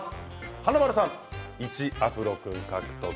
華丸さん、１アフロ君、獲得。